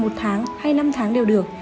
một tháng hay năm tháng đều được